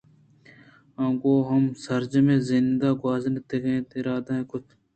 ءُ گوں من سرجمیں زند گْوازینگ ءِ اِرادہ کُت